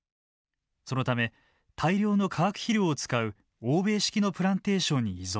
そのため大量の化学肥料を使う欧米式のプランテーションに依存。